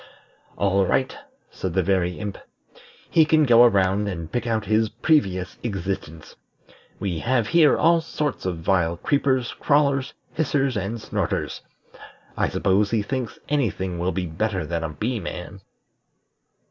"All right," said the Very Imp; "he can go around, and pick out his previous existence. We have here all sorts of vile creepers, crawlers, hissers, and snorters. I suppose he thinks any thing will be better than a Bee man."